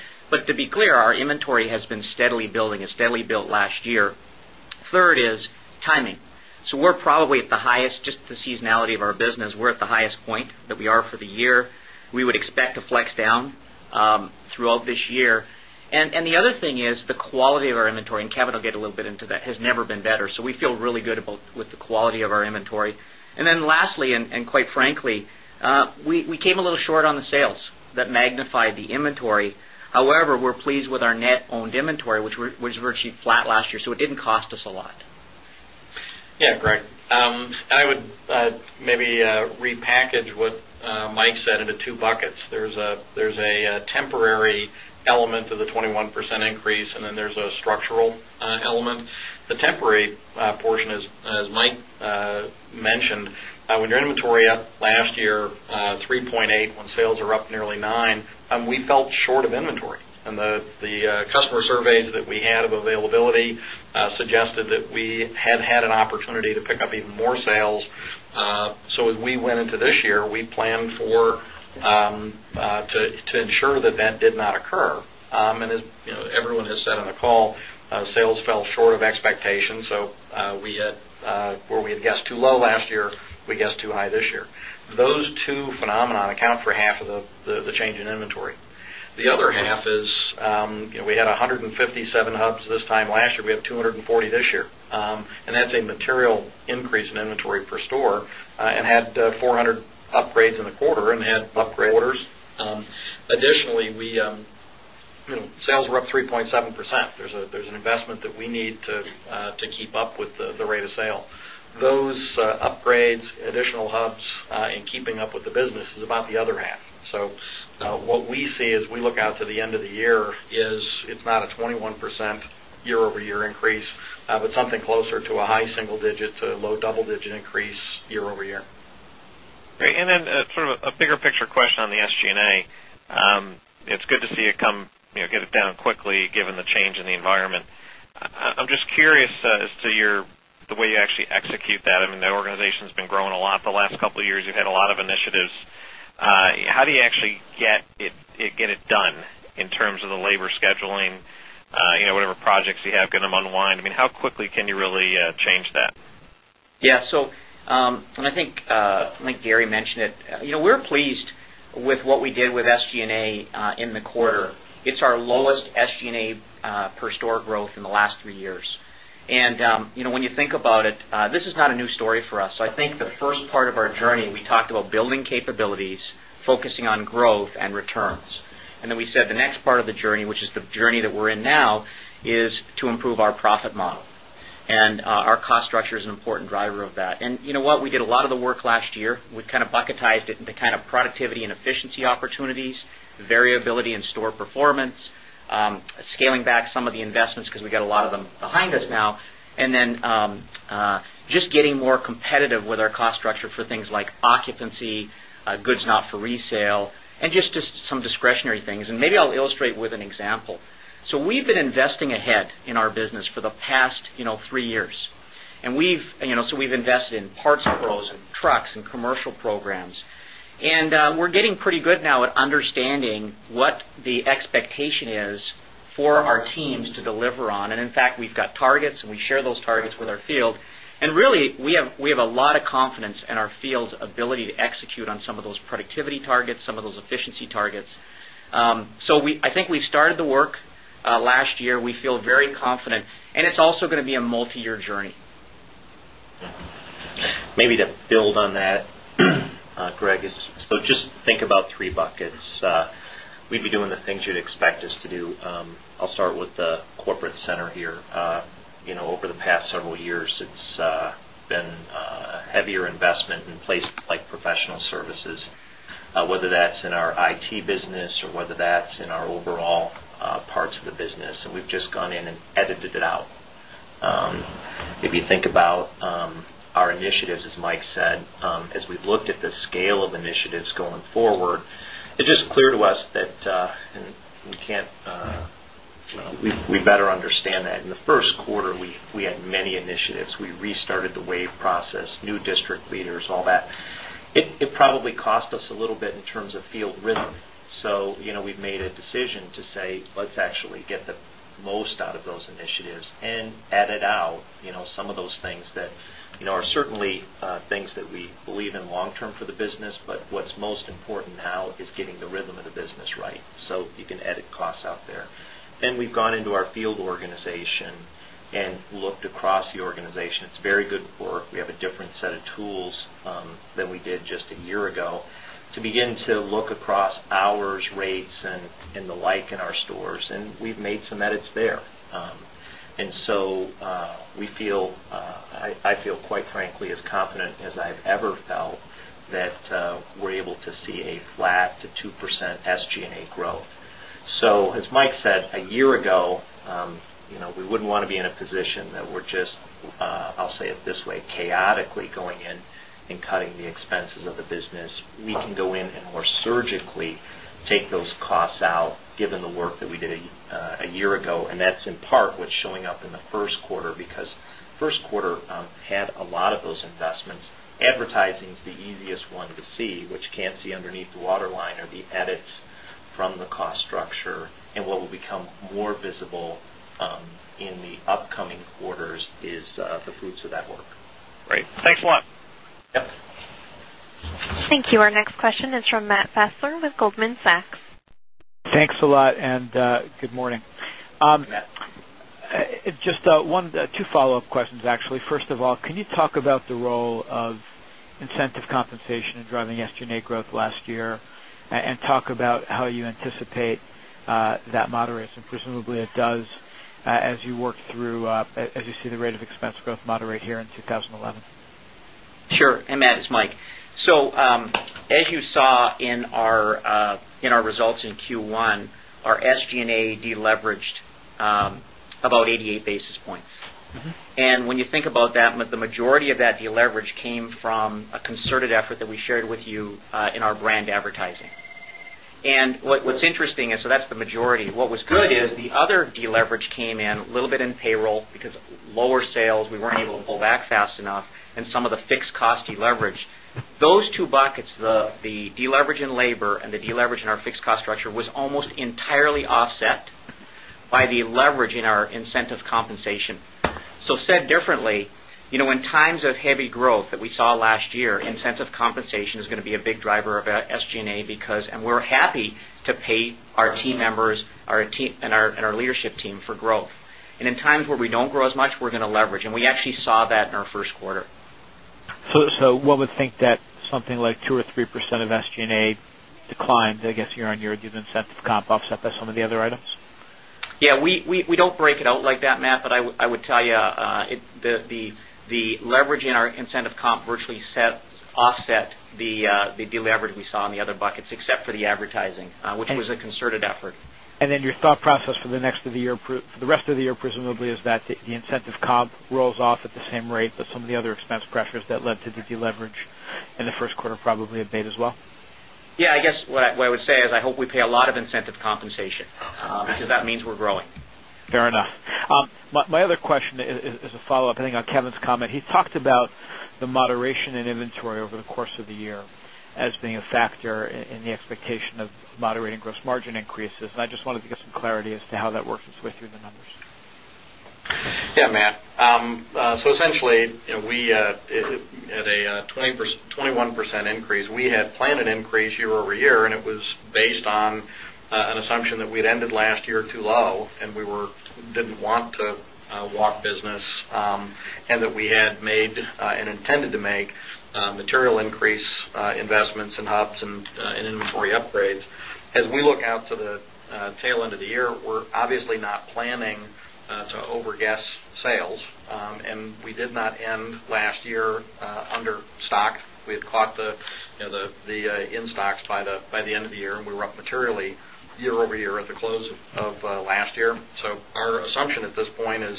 To be clear, our inventory has been steadily building. It steadily built last year. Third is timing. We're probably at the highest, just the seasonality of our business, we're at the highest point that we are for the year. We would expect to flex down throughout this year. The other thing is the quality of our inventory, and Kevin will get a little bit into that, has never been better. We feel really good about the quality of our inventory. Lastly, quite frankly, we came a little short on the sales that magnified the inventory. However, we're pleased with our net owned inventory, which was virtually flat last year. It didn't cost us a lot. Yeah, Greg. I would maybe repackage what Mike said into two buckets. There's a temporary element of the 21% increase, and then there's a structural element. The temporary portion, as Mike mentioned, when your inventory up last year, 3.8%, when sales are up nearly 9%, we felt short of inventory. The customer surveys that we had of availability suggested that we had had an opportunity to pick up even more sales. As we went into this year, we planned to ensure that that did not occur. As everyone has said on the call, sales fell short of expectations. We had where we had guessed too low last year, we guessed too high this year. Those two phenomena account for half of the change in inventory. The other half is we had 157 hubs this time last year. We have 240 this year. That's a material increase in inventory per store and had 400 upgrades in the quarter and had upgrades. Additionally, sales were up 3.7%. There's an investment that we need to keep up with the rate of sale. Those upgrades, additional hubs, and keeping up with the business is about the other half. What we see as we look out to the end of the year is it's not a 21% year-over-year increase, but something closer to a high single-digit to a low double-digit increase year-over-year. Great. Then sort of a bigger picture question on the SG&A. It's good to see it come, you know, get it down quickly given the change in the environment. I'm just curious as to your the way you actually execute that. I mean, the organization's been growing a lot the last couple of years. You've had a lot of initiatives. How do you actually get it get it done in terms of the labor scheduling, you know, whatever projects you have going to unwind? I mean, how quickly can you really change that? Yeah, so, like Gary mentioned, we're pleased with what we did with SG&A in the quarter. It's our lowest SG&A per store growth in the last three years. When you think about it, this is not a new story for us. I think the first part of our journey, we talked about building capabilities, focusing on growth and returns. We said the next part of the journey, which is the journey that we're in now, is to improve our profit model. Our cost structure is an important driver of that. We did a lot of the work last year. We kind of bucketized it into productivity and efficiency opportunities, variability in store performance, scaling back some of the investments because we got a lot of them behind us now, and just getting more competitive with our cost structure for things like occupancy, goods not for resale, and just some discretionary things. Maybe I'll illustrate with an example. We've been investing ahead in our business for the past three years. We've invested in parts pros and trucks and commercial programs. We're getting pretty good now at understanding what the expectation is for our teams to deliver on. In fact, we've got targets, and we share those targets with our field. We have a lot of confidence in our field's ability to execute on some of those productivity targets, some of those efficiency targets. I think we started the work last year. We feel very confident. It's also going to be a multi-year journey. Maybe to build on that, Greg, just think about three buckets. We'd be doing the things you'd expect us to do. I'll start with the corporate center here. Over the past several years, it's been a heavier investment in places like professional services, whether that's in our IT business or whether that's in our overall parts of the business. We've just gone in and edited it out. If you think about our initiatives, as Mike said, as we've looked at the scale of initiatives going forward, it's just clear to us that we better understand that. In the first quarter, we had many initiatives. We restarted the wave process, new district leaders, and all that. It probably cost us a little bit in terms of field rhythm. We've made a decision to say, let's actually get the most out of those initiatives and edit out some of those things that are certainly things that we believe in long term for the business. What's most important now is getting the rhythm of the business right. You can edit costs out there. We've gone into our field organization and looked across the organization. It's very good work. We have a different set of tools than we did just a year ago to begin to look across hours, rates, and the like in our stores. We've made some edits there. I feel, quite frankly, as confident as I've ever felt that we're able to see a flat to 2% SG&A growth. As Mike said, a year ago, we wouldn't want to be in a position that we're just, I'll say it this way, chaotically going in and cutting the expenses of the business. We can go in and more surgically take those costs out, given the work that we did a year ago. That's in part what's showing up in the first quarter because the first quarter had a lot of those investments. Advertising is the easiest one to see, which you can't see underneath the waterline or the edits from the cost structure. What will become more visible in the upcoming quarters is the fruits of that work. Right. Thanks a lot. Thank you. Our next question is from Matt Fassler with Goldman Sachs. Thanks a lot, and good morning. Just two follow-up questions, actually. First of all, can you talk about the role of incentive compensation in driving SG&A growth last year, and talk about how you anticipate that moderates, and presumably it does, as you work through, as you see the rate of expense growth moderate here in 2011? Sure. That is Mike. As you saw in our results in Q1, our SG&A deleveraged about 88 basis points. When you think about that, the majority of that deleverage came from a concerted effort that we shared with you in our brand advertising. What's interesting is that's the majority. What was good is the other deleverage came in a little bit in payroll because lower sales, we weren't able to pull back fast enough, and some of the fixed cost deleverage. Those two buckets, the deleverage in labor and the deleverage in our fixed cost structure, was almost entirely offset by the leverage in our incentive compensation. Said differently, in times of heavy growth that we saw last year, incentive compensation is going to be a big driver of SG&A because we're happy to pay our team members and our leadership team for growth.In times where we don't grow as much, we're going to leverage. We actually saw that in our first quarter. One would think that something like 2% or 3% of SG&A declined, I guess, year on year due to incentive comp offset by some of the other items. Yeah, we don't break it out like that, Matt, but I would tell you the leverage in our incentive comp virtually set offset the deleverage we saw in the other buckets, except for the advertising, which was a concerted effort. Is your thought process for the rest of the year that the incentive comp rolls off at the same rate, but some of the other expense pressures that led to the deleverage in the first quarter probably abate as well? I guess what I would say is I hope we pay a lot of incentive compensation because that means we're growing. Fair enough. My other question is a follow-up. I think on Kevin's comment, he talked about the moderation in inventory over the course of the year as being a factor in the expectation of moderating gross margin increases. I just wanted to get some clarity as to how that works its way through the numbers. Yeah, Matt. Essentially, we had a 21% increase. We had planned an increase year-over-year, and it was based on an assumption that we had ended last year too low and we didn't want to want business, and that we had made and intended to make material increase investments in hubs and inventory upgrades. As we look out to the tail end of the year, we're obviously not planning to overguess sales. We did not end last year under stock. We had caught the in stocks by the end of the year, and we were up materially year over year at the close of last year. Our assumption at this point is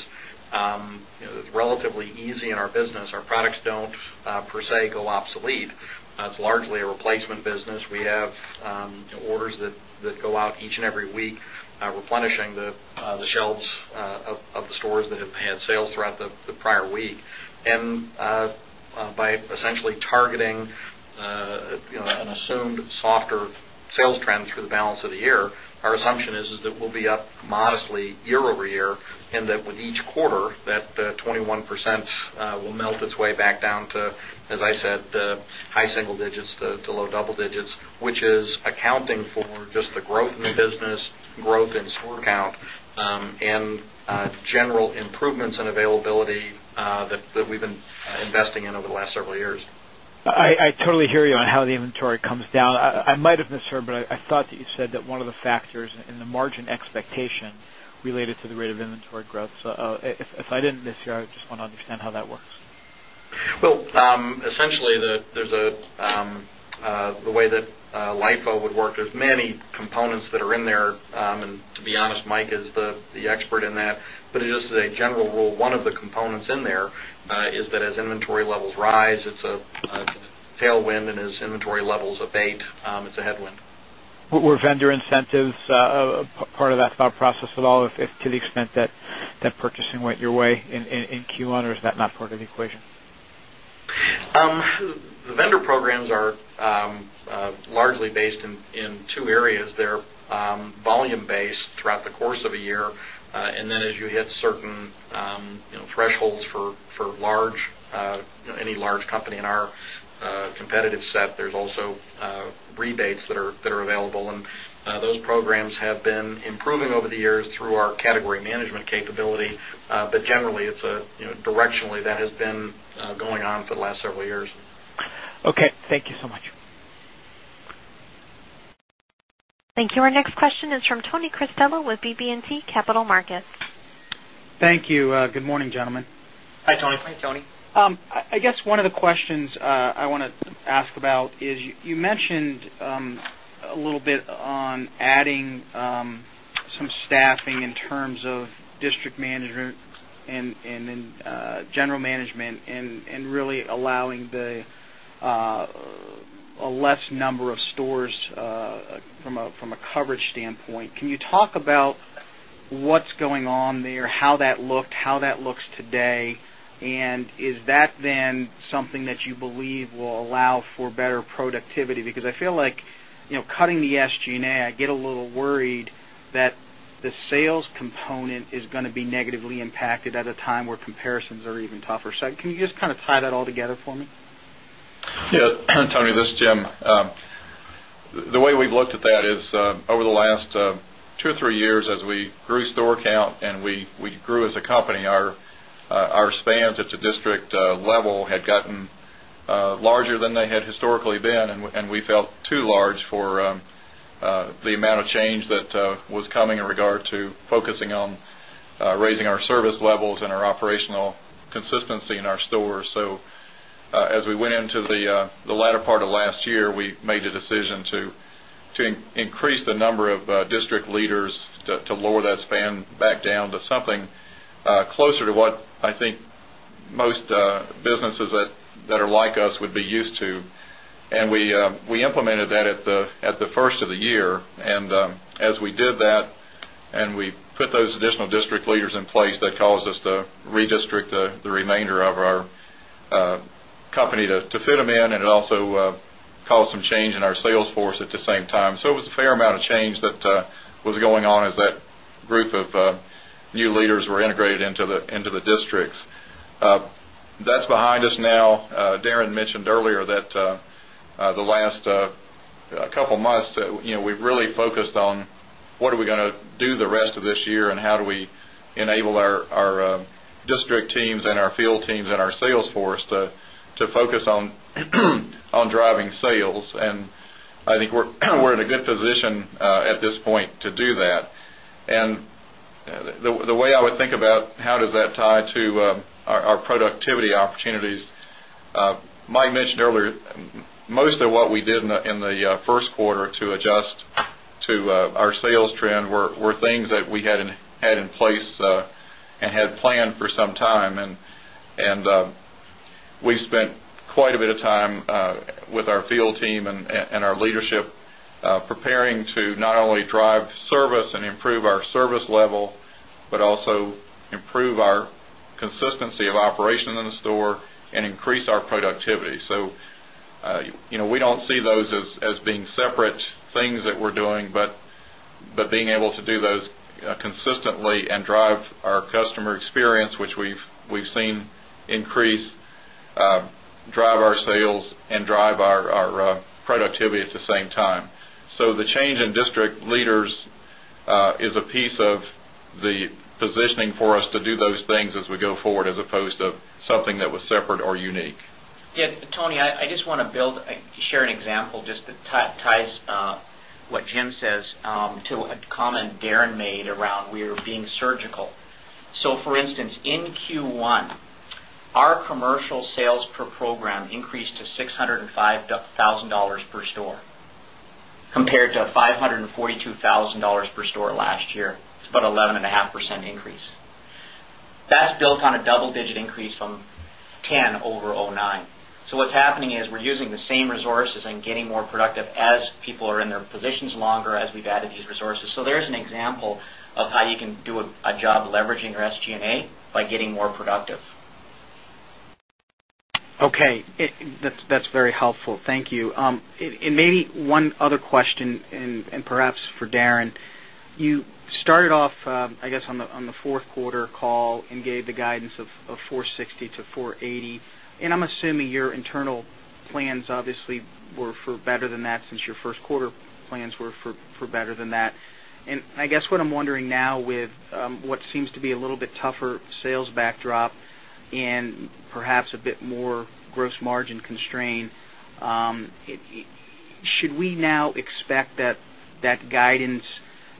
relatively easy in our business. Our products don't per se go obsolete. It's largely a replacement business. We have orders that go out each and every week, replenishing the shelves of the stores that have had sales throughout the prior week. By essentially targeting an assumed softer sales trends for the balance of the year, our assumption is that we'll be up modestly year over year and that with each quarter, that 21% will melt its way back down to, as I said, the high single digits to low double digits, which is accounting for just the growth in business, growth in store count, and general improvements in availability that we've been investing in over the last several years. I totally hear you on how the inventory comes down. I might have misheard, but I thought that you said that one of the factors in the margin expectation related to the rate of inventory growth. If I didn't mishear, I just want to understand how that works. Essentially, there's the way that LIFO would work. There are many components that are in there. To be honest, Mike is the expert in that. Just as a general rule, one of the components in there is that as inventory levels rise, it's a tailwind, and as inventory levels abate, it's a headwind. Were vendor incentives a part of that thought process at all, to the extent that purchasing went your way in Q1, or is that not part of the equation? The vendor programs are largely based in two areas. They're volume-based throughout the course of a year. As you hit certain thresholds for any large company in our competitive set, there are also rebates that are available. Those programs have been improving over the years through our category management capability. Generally, it's directionally that has been going on for the last several years. Okay, thank you so much. Thank you. Our next question is from Tony Cristello with BB&T Capital Markets. Thank you. Good morning, gentlemen. Hi, Tony. Hi, Tony. I guess one of the questions I want to ask about is you mentioned a little bit on adding some staffing in terms of district management and general management and really allowing a less number of stores from a coverage standpoint. Can you talk about what's going on there, how that looked, how that looks today? Is that then something that you believe will allow for better productivity? I feel like, you know, cutting the SG&A, I get a little worried that the sales component is going to be negatively impacted at a time where comparisons are even tougher. Can you just kind of tie that all together for me? Yeah, Tony, this is Jim. The way we've looked at that is over the last two or three years, as we grew store count and we grew as a company, our spans at the district level had gotten larger than they had historically been. We felt too large for the amount of change that was coming in regard to focusing on raising our service levels and our operational consistency in our stores. As we went into the latter part of last year, we made a decision to increase the number of district leaders to lower that span back down to something closer to what I think most businesses that are like us would be used to. We implemented that at the first of the year. As we did that, and we put those additional district leaders in place, that caused us to redistrict the remainder of our company to fit them in. It also caused some change in our sales force at the same time. It was a fair amount of change that was going on as that group of new leaders were integrated into the districts. That's behind us now. Darren mentioned earlier that the last couple of months, you know, we really focused on what are we going to do the rest of this year and how do we enable our district teams and our field teams and our sales force to focus on driving sales. I think we're in a good position at this point to do that. The way I would think about how does that tie to our productivity opportunities, Mike mentioned earlier, most of what we did in the first quarter to adjust to our sales trend were things that we had in place and had planned for some time. We've spent quite a bit of time with our field team and our leadership preparing to not only drive service and improve our service level, but also improve our consistency of operations in the store and increase our productivity. We don't see those as being separate things that we're doing, but being able to do those consistently and drive our customer experience, which we've seen increase, drive our sales and drive our productivity at the same time. The change in district leaders is a piece of the positioning for us to do those things as we go forward, as opposed to something that was separate or unique. Yeah, Tony, I just want to build, share an example that ties what Jim says to a comment Darren made around we're being surgical. For instance, in Q1, our commercial sales per program increased to $605,000 per store compared to $542,000 per store last year. It's about an 11.5% increase. That's built on a double-digit increase from 2010 over 2009. What's happening is we're using the same resources and getting more productive as people are in their positions longer as we've added these resources. There's an example of how you can do a job leveraging your SG&A by getting more productive. Okay, that's very helpful. Thank you. Maybe one other question, and perhaps for Darren, you started off, I guess, on the fourth quarter call and gave the guidance of $4.60-$4.80. I'm assuming your internal plans obviously were for better than that since your first quarter plans were for better than that. I guess what I'm wondering now with what seems to be a little bit tougher sales backdrop and perhaps a bit more gross margin constraint, should we now expect that that guidance,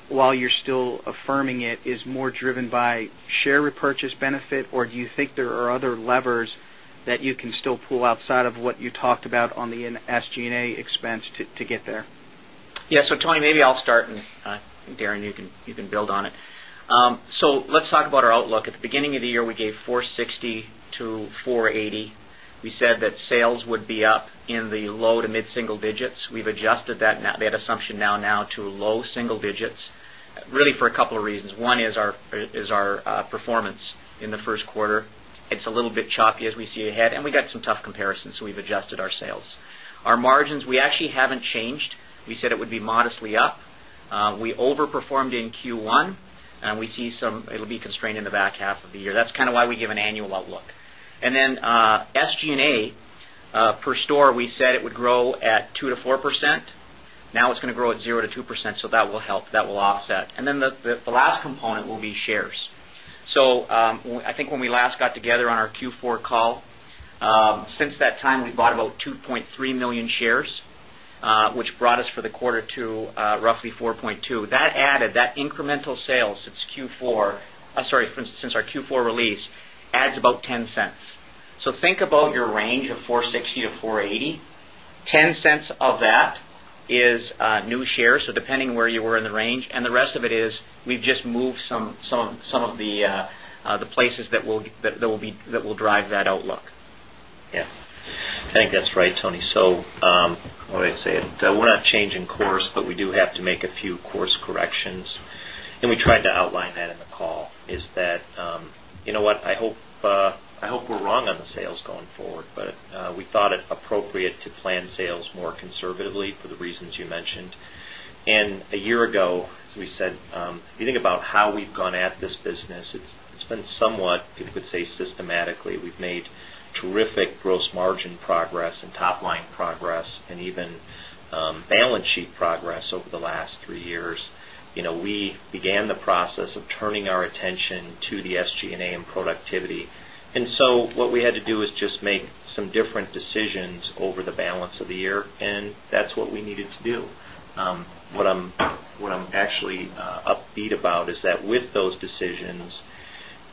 while you're still affirming it, is more driven by share repurchase benefit, or do you think there are other levers that you can still pull outside of what you talked about on the SG&A expense to get there? Yeah, so Tony, maybe I'll start, and Darren, you can build on it. Let's talk about our outlook. At the beginning of the year, we gave $4.60-$4.80. We said that sales would be up in the low to mid-single digits. We've adjusted that assumption now to low single digits, really for a couple of reasons. One is our performance in the first quarter. It's a little bit choppy as we see ahead, and we got some tough comparisons, so we've adjusted our sales. Our margins, we actually haven't changed. We said it would be modestly up. We overperformed in Q1, and we see some, it'll be constrained in the back half of the year. That's kind of why we give an annual outlook. SG&A per store, we said it would grow at 2%-4%. Now it's going to grow at 0%-2%, so that will help. That will offset. The last component will be shares. I think when we last got together on our Q4 call, since that time, we bought about 2.3 million shares, which brought us for the quarter to roughly $4.2 million. That added, that incremental sales since Q4, I'm sorry, since our Q4 release, adds about $0.10. Think about your range of $4.60-$4.80. $0.10 of that is new shares, so depending where you were in the range, and the rest of it is we've just moved some of the places that will drive that outlook. Yeah, I think that's right, Tony. I wanted to say that we're not changing course, but we do have to make a few course corrections. We tried to outline that in the call, is that, you know what, I hope we're wrong on the sales going forward, but we thought it appropriate to plan sales more conservatively for the reasons you mentioned. A year ago, as we said, you think about how we've gone at this business, it's been somewhat, people could say, systematically. We've made terrific gross margin progress and top line progress and even balance sheet progress over the last three years. We began the process of turning our attention to the SG&A and productivity. What we had to do is just make some different decisions over the balance of the year, and that's what we needed to do. What I'm actually upbeat about is that with those decisions,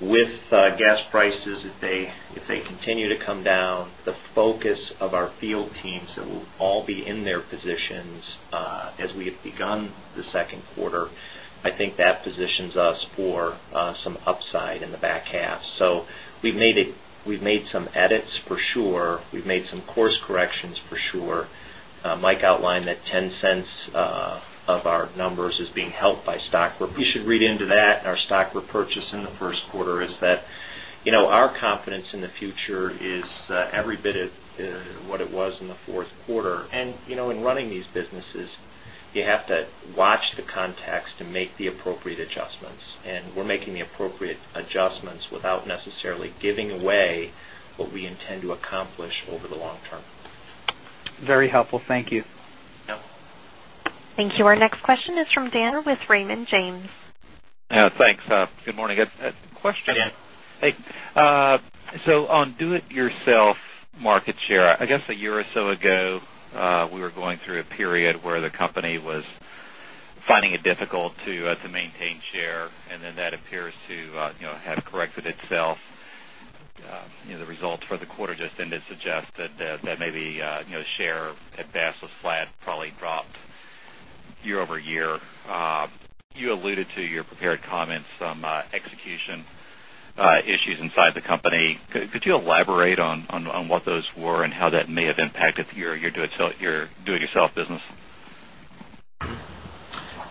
with gas prices, if they continue to come down, the focus of our field teams that will all be in their positions as we had begun the second quarter, I think that positions us for some upside in the back half. We've made some edits for sure. We've made some course corrections for sure. Mike outlined that $0.10 of our numbers is being helped by stock. You should read into that. Our stock repurchase in the first quarter is that, you know, our confidence in the future is every bit of what it was in the fourth quarter. In running these businesses, you have to watch the context to make the appropriate adjustments. We're making the appropriate adjustments without necessarily giving away what we intend to accomplish over the long term. Very helpful. Thank you. Thank you. Our next question is from Daniel with Raymond James. Yeah, thanks. Good morning. I got a question. Hey, on do-it-yourself market share, I guess a year or so ago, we were going through a period where the company was finding it difficult to maintain share, and then that appears to have corrected itself. The results for the quarter just in to suggest that maybe share at best was flat, probably dropped year over year. You alluded to your prepared comments, some execution issues inside the company. Could you elaborate on what those were and how that may have impacted your do-it-yourself business?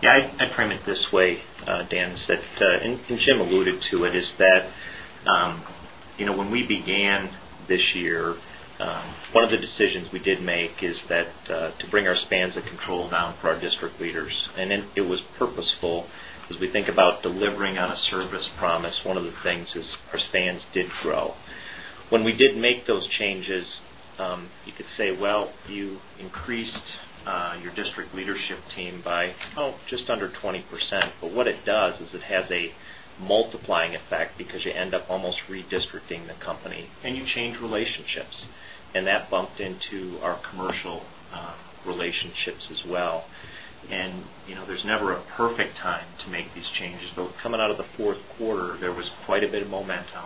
Yeah, I'd frame it this way, Dan, is that, and Jim alluded to it, is that, you know, when we began this year, one of the decisions we did make is that to bring our spans of control down for our district leaders. It was purposeful because we think about delivering on a service promise. One of the things is our spans did grow. When we did make those changes, you could say, well, you increased your district leadership team by, oh, just under 20%. What it does is it has a multiplying effect because you end up almost redistricting the company. You change relationships. That bumped into our commercial relationships as well. There's never a perfect time to make these changes. Though coming out of the fourth quarter, there was quite a bit of momentum.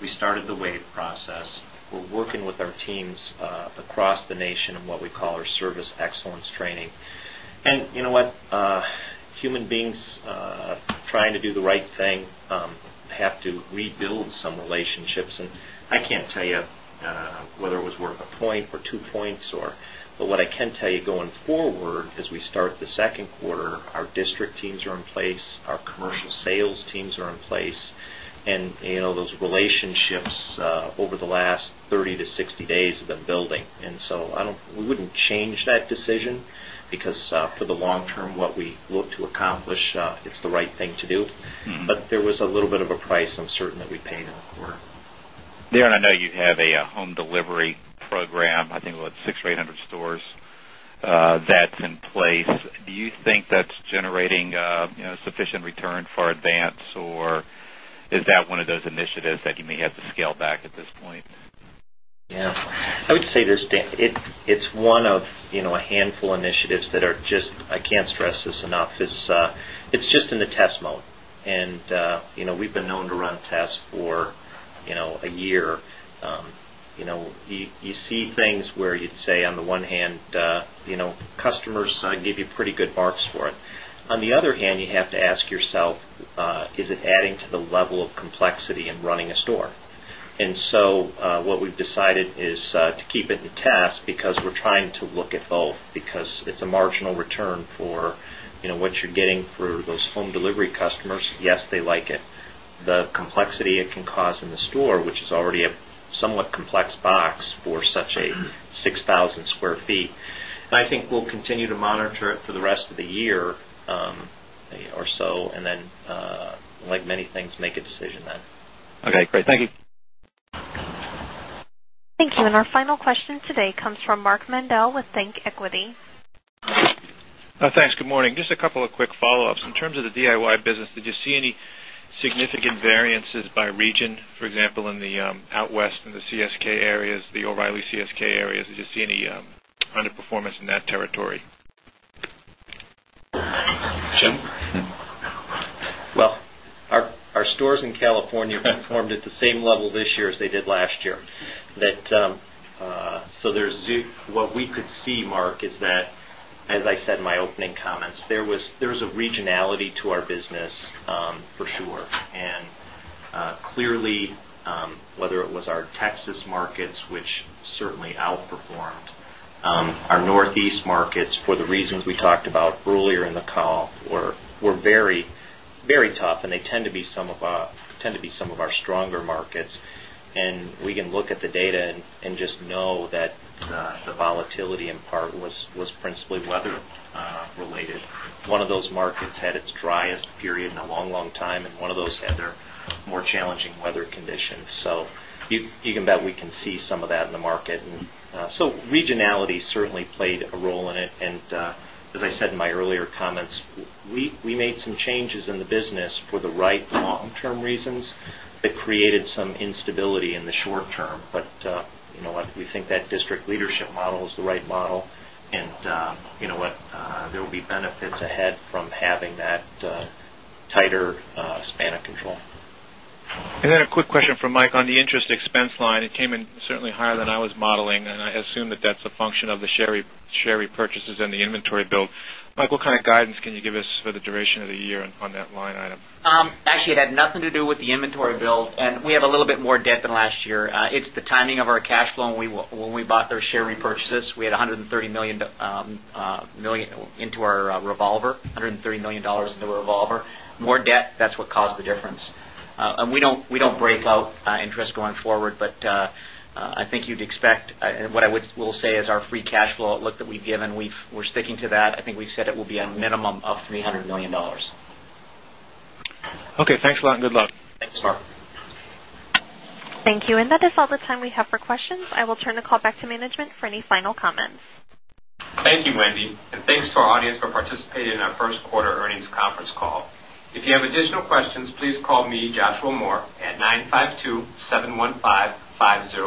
We started the wave initiative. We're working with our teams across the nation in what we call our service excellence training. You know what, human beings trying to do the right thing have to rebuild some relationships. I can't tell you whether it was worth a point or two points or, but what I can tell you going forward is we start the second quarter, our district teams are in place, our commercial sales teams are in place, and those relationships over the last 30 to 60 days have been building. We wouldn't change that decision because for the long term, what we look to accomplish, it's the right thing to do. There was a little bit of a price uncertain that we paid in the quarter. Darren, I know you have a home delivery program, I think about six or eight hundred stores that's in place. Do you think that's generating sufficient return for Advance, or is that one of those initiatives that you may have to scale back at this point? Yeah, I would say this, it's one of, you know, a handful of initiatives that are just, I can't stress this enough, it's just in the test mode. We've been known to run tests for, you know, a year. You see things where you'd say on the one hand, you know, customers give you pretty good marks for it. On the other hand, you have to ask yourself, is it adding to the level of complexity in running a store? What we've decided is to keep it in test because we're trying to look at both because it's a marginal return for, you know, what you're getting for those home delivery customers. Yes, they like it. The complexity it can cause in the store, which is already a somewhat complex box for such a 6,000 sq ft.I think we'll continue to monitor it for the rest of the year or so, and then, like many things, make a decision then. Okay, great. Thank you. Thank you. Our final question today comes from Mark Mandel with ThinkEquity. Thanks. Good morning. Just a couple of quick follow-ups. In terms of the DIY business, did you see any significant variances by region? For example, in the out West and the CSK areas, the O'Reilly CSK areas, did you see any underperformance in that territory? Our stores in California have performed at the same level this year as they did last year. As I said in my opening comments, there was a regionality to our business for sure. Clearly, whether it was our Texas markets, which certainly outperformed, or our Northeast markets, for the reasons we talked about earlier in the call, were very, very tough, and they tend to be some of our stronger markets. We can look at the data and just know that the volatility in part was principally weather related. One of those markets had its driest period in a long, long time, and one of those had more challenging weather conditions. You can bet we can see some of that in the market. Regionality certainly played a role in it. As I said in my earlier comments, we made some changes in the business for the right long-term reasons that created some instability in the short term. You know what, we think that district leadership model is the right model, and you know what, there will be benefits ahead from having that tighter span of control. A quick question from Mike on the interest expense line. It came in certainly higher than I was modeling, and I assume that that's a function of the share repurchases and the inventory build. Mike, what kind of guidance can you give us for the duration of the year on that line item? Actually, it had nothing to do with the inventory build, and we have a little bit more debt than last year. It's the timing of our cash flow. When we bought those share repurchases, we had $130 million into our revolver, $130 million into the revolver. More debt, that's what caused the difference. We don't break out interest going forward, but I think you'd expect, and what I will say is our free cash flow look that we've given, we're sticking to that. I think we've said it will be a minimum of $300 million. Okay, thanks a lot and good luck. Thanks, Mark. Thank you. That is all the time we have for questions. I will turn the call back to management for any final comments. Thank you, Wendy. Thank you to our audience for participating in our first quarter earnings conference call. If you have additional questions, please call me, Joshua Moore, at 952-715-5000.